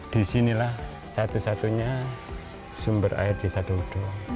disinilah satu satunya sumber air desa dodo